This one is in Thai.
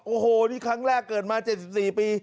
โอ้โหนี่ครั้งแรกเกิดมา๗๔ปี